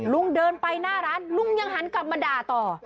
ลุงเดินไปหน้าร้านลุงยังหันกลับมาด่าต่อ